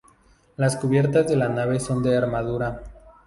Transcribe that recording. Las cubiertas de la nave son de armadura.